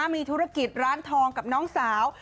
มีธุรกิจร้านทองกับน้องสาว